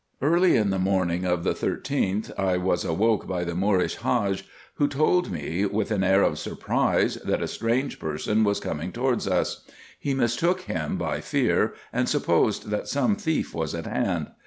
Early in the morning of the 13th I was awoke by the Moorish Hadge, who told me, with an air of surprise, that a strange person was coming towards us : he mistook him by fear, and supposed that some thief was at hand.